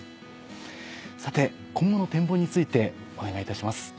さて今後の展望についてお願いいたします。